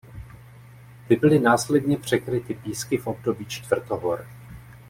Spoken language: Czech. Ty byly následně překryty písky v období čtvrtohor.